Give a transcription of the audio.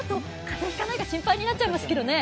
風邪ひかないか心配になっちゃいますけどね。